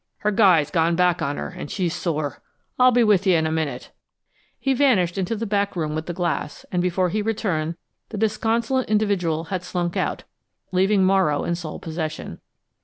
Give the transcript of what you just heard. Her guy's gone back on her, an' she's sore. I'll be with you in a minute." He vanished into the back room with the glass, and before he returned, the disconsolate individual had slunk out, leaving Morrow in sole possession.